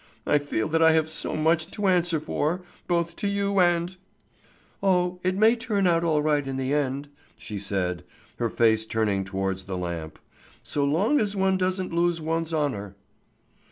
"I feel that I have so much to answer for both to you and " "Oh, it may turn out all right in the end," she said, her face turned towards the lamp. "So long as one doesn't lose one's honour."